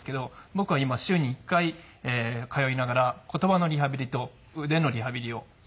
僕は今週に１回通いながら言葉のリハビリと腕のリハビリをやっていますね。